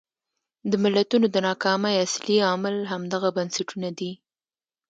د ملتونو د ناکامۍ اصلي عامل همدغه بنسټونه دي.